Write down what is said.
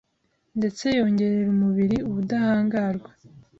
ndetse yongerera umubiri ubudahangarwa